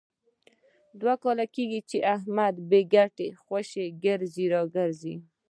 دوه کاله کېږي، چې احمد بې ګټې خوشې ګرځي را ګرځي.